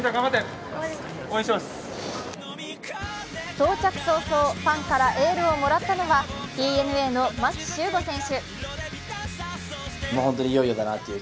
到着早々、ファンからエールをもらったのはＤｅＮＡの牧秀悟選手。